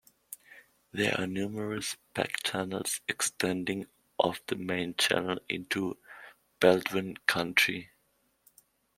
There are numerous back channels extending off the main channel into Baldwin County.